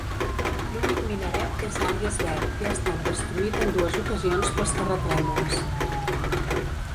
L'únic minaret és alt i esvelt i ha estat destruït en dues ocasions pels terratrèmols.